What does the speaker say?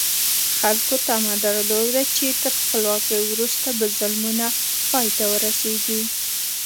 خلکو تمه درلوده چې تر خپلواکۍ وروسته به ظلمونه پای ته ورسېږي.